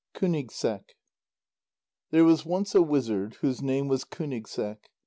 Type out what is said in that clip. KÚNIGSEQ There was once a wizard whose name was Kúnigseq.